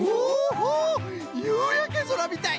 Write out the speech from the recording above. ほうゆうやけぞらみたい！